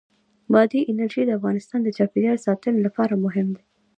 بادي انرژي د افغانستان د چاپیریال ساتنې لپاره مهم دي.